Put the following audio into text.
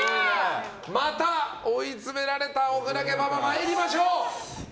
また追い詰められた小倉家パパ参りましょう！